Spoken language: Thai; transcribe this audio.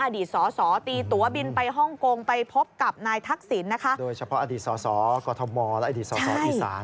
โดยเฉพาะอดีตส่อกรทมและอดีตส่ออีสาน